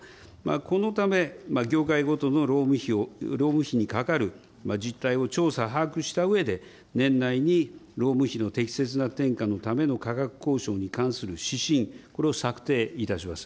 このため、業界ごとの労務費にかかる実態を調査把握したうえで、年内に労務費の適切な転嫁のための価格交渉に関する指針、これを策定いたします。